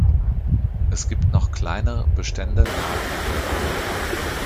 Es gibt noch kleine Bestände nahe Canberra.